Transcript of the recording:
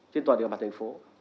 trên toàn địa mặt thành phố